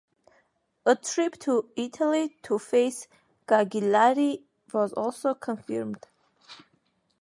A trip to Italy to face Cagliari was also confirmed.